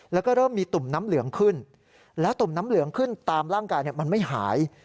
แล้วก็เริ่มมีตุ่มน้ำเหลืองขึ้นแล้วตุ่มน้ำเหลืองขึ้นตามร่างกายมันไม่หาย